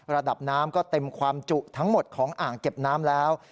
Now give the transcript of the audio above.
ระดับน้ำก็เต็มความจุทั้งหมดของอ่างเก็บน้ำแล้ว